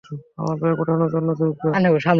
আমার ব্যাগ উঠানোর জন্য ঝুকবে?